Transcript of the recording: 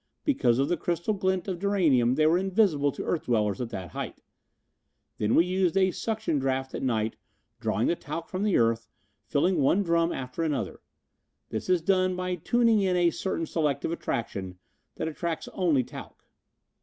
Because of the crystal glint of duranium they were invisible to earth dwellers at that height. Then we used a suction draft at night, drawing the talc from the earth, filling one drum after another. This is done by tuning in a certain selective attraction that attracts only talc.